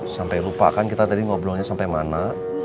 sampai lupa kan kita tadi ngobrolnya sampai mana